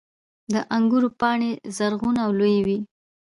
• د انګورو پاڼې زرغون او لویې وي.